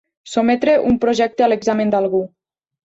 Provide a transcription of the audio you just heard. Sotmetre un projecte a l'examen d'algú.